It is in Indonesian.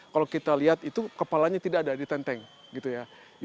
kalau kita lihat itu kepalanya tidak ada di tenteng gitu ya